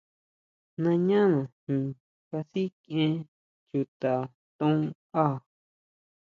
Nañánaji kasikʼien chuta ton á.